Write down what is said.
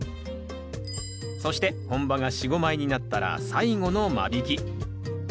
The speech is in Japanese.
そして本葉が４５枚になったら最後の間引き。